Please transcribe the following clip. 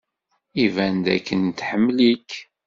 Iban dakken tḥemmel-ik.